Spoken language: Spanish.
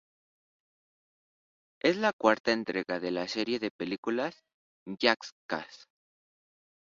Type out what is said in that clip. Es la cuarta entrega de la serie de películas Jackass.